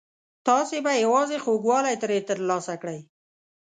تاسو به یوازې خوږوالی ترې ترلاسه کړئ.